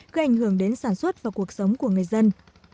gây ảnh hưởng đến sản xuất và cuộc sống của người dân